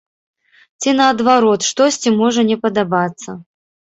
Ці наадварот, штосьці можа не падабацца.